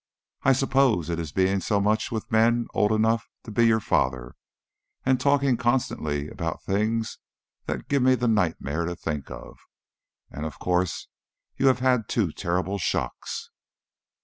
I suppose it is being so much with men old enough to be your father, and talking constantly about things that give me the nightmare to think of. And of course you have had two terrible shocks.